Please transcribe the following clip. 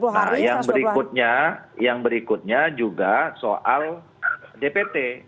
nah yang berikutnya yang berikutnya juga soal dpt